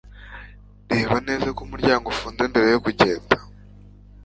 reba neza ko umuryango ufunze mbere yuko ugenda